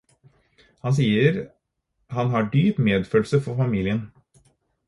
Han sier at han har dyp medfølelse for familien.